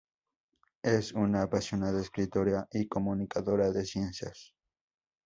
Es una apasionada escritora y comunicadora de ciencias.